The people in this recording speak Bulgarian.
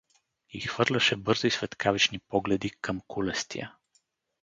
И хвърляше бързи светкавични погледи към кулестия.